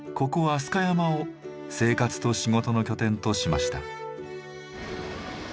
飛鳥山を生活と仕事の拠点としました。